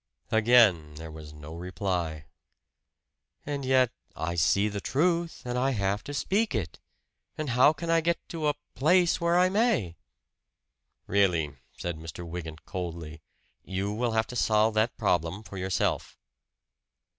Again there was no reply. "And yet, I see the truth, and I have to speak it! And how can I get to a 'place' where I may?" "Really," said Mr. Wygant coldly, "you will have to solve that problem for yourself."